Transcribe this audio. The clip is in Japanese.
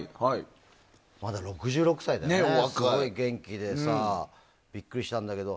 まだ６６歳で、すごい元気でビックリしたんだけど。